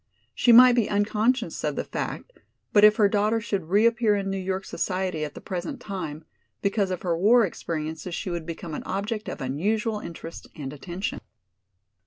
She might be unconscious of the fact, but if her daughter should reappear in New York society at the present time, because of her war experiences she would become an object of unusual interest and attention.